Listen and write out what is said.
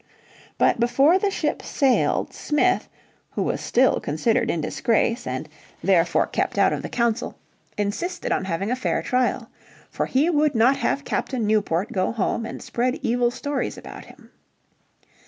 But before the ships sailed Smith, who was still considered in disgrace, and therefore kept out of the council, insisted on having a fair trial. For he would not have Captain Newport go home and spread evil stories about him.